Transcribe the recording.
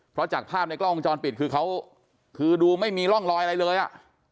เพราะจากภาพในกล้องวงจรปิดคือเขาคือดูไม่มีร่องรอยอะไรเลยอ่ะ